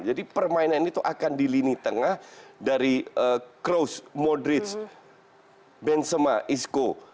jadi permainan ini akan di lini tengah dari kroos modric benzema isco